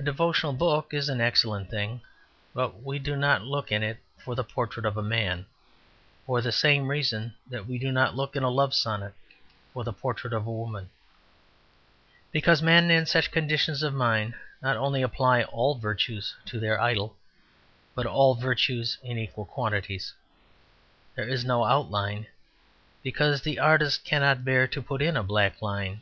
A devotional book is an excellent thing, but we do not look in it for the portrait of a man, for the same reason that we do not look in a love sonnet for the portrait of a woman, because men in such conditions of mind not only apply all virtues to their idol, but all virtues in equal quantities. There is no outline, because the artist cannot bear to put in a black line.